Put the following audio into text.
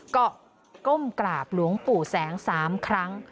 ก็ก้มกราบหลวงปู่แสง๓ครั้ง